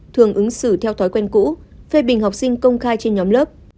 thường ứng xử theo thói quen cũ phê bình học sinh công khai trên nhóm lớp